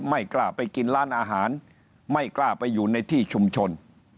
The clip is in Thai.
ไม่กล้าไปกินร้านอาหารไม่กล้าไปอยู่ในที่ชุมชน